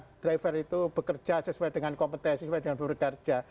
karena driver itu bekerja sesuai dengan kompetensi sesuai dengan bekerja